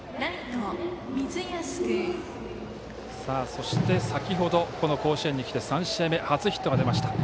そして先ほど、甲子園に来て３試合目初ヒットが出ました。